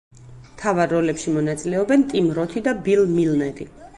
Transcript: მთავარ როლებში მონაწილეობენ: ტიმ როთი და ბილ მილნერი.